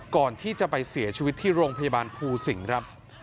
ก่อนที่จะไปเสียชีวิตที่โรงพยาบาลภูสิงห์ครับ